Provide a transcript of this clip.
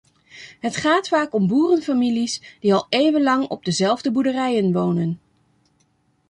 Het gaat vaak om boerenfamilies die al eeuwenlang op dezelfde boerderijen wonen.